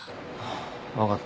分かった。